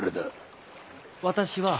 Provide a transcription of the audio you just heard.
私は。